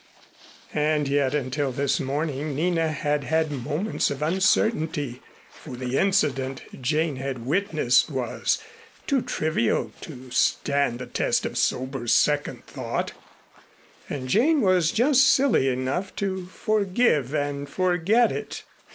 And yet until this morning Nina had had moments of uncertainty, for the incident Jane had witnessed was too trivial to stand the test of sober second thought, and Jane was just silly enough to forgive and forget it.